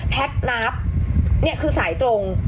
แพทย์นับเนี่ยคือสายตรง